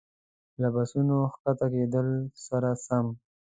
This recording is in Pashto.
له بسونو ښکته کېدلو سره سم.